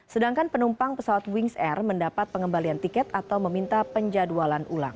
sedangkan penumpang pesawat wings air mendapat pengembalian tiket atau meminta penjadwalan ulang